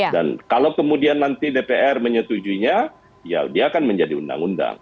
dan kalau kemudian nanti dpr menyetujuinya ya dia akan menjadi undang undang